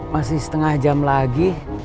masih setengah jam lagi